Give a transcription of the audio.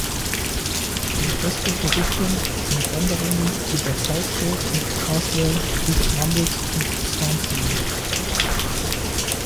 In östliche Richtung sind Wanderungen über Southgate und Caswell bis Mumbles und Swansea möglich.